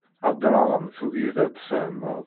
Heddreɣ-am, tugiḍ ad tfehmeḍ.